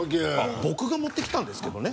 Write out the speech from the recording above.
僕が持ってきたんですけどね。